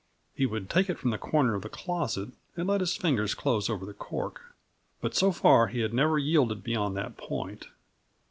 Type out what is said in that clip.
He would take it from the corner of the closet and let his fingers close over the cork, but so far he had never yielded beyond that point.